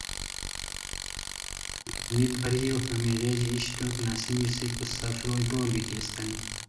ہمی باریو ہمی غیژی اِشٹوک ناسی نیسیکو سف روئے بور بیتی اسیتانی